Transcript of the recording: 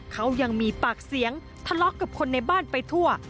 เขายังมีปากเสียงทะเลาะกับคนในบ้านไปทั่ว